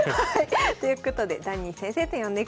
ということでダニー先生と呼んでください。